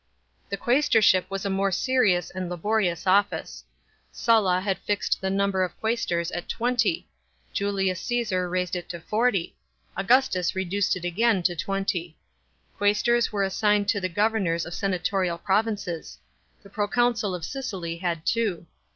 The qusestorship was a more serious and laborious office. Sulla had fixed the number of qusestors at twenty ; Julius Caesar raised it to forty ; Augustus reduced it again to twenty. Quaestors were assigned to the governors of senatorial provinces ; the proconsul of Sicily had two.